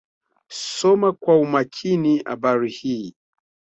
Soma kwa umakini Habari hii.